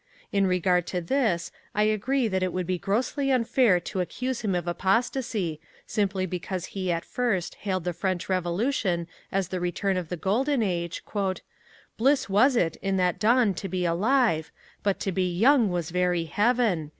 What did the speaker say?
In regard to this, I agree that it would be grossly unfair to accuse him of apostasy, simply because he at first hailed the French Revolution as the return of the Golden Age Bliss was it in that dawn to be alive, But to be young was very heaven!